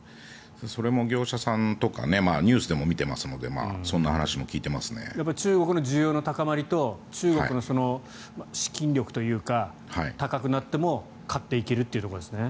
それも業者さんとかニュースでも見ていますので中国の需要の高まりと中国の資金力というか高くなっても買っていけるというところですね。